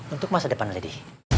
untuk masa depan lady